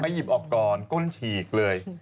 เป็นกล้งฉีกเลย